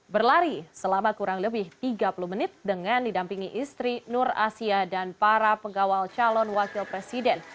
berlari selama kurang lebih tiga puluh menit dengan didampingi istri nur asia dan para pengawal calon wakil presiden